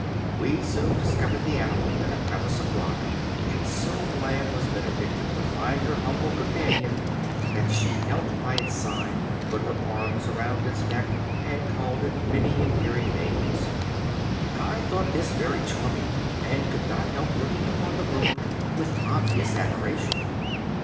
We soon discovered the animal in a crevice of rock, and so glad was Benedicta to find her humble companion that she knelt by its side, put her arms about its neck and called it by many endearing names. I thought this very charming, and could not help looking upon the group with obvious admiration.